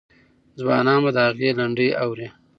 ځوانان به د هغې لنډۍ اوري.